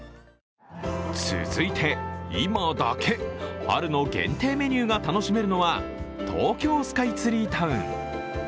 続いて、今だけ、春の限定メニューが楽しめるのは東京スカイツリータウン。